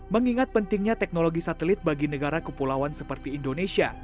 mengingat pentingnya teknologi satelit bagi negara kepulauan seperti indonesia